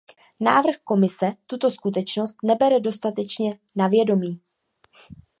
Návrh Komise tuto skutečnost nebere dostatečně na vědomí.